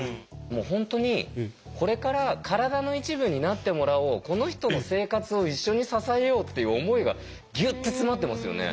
もう本当にこれから体の一部になってもらおうこの人の生活を一緒に支えようっていう思いがギュッて詰まってますよね。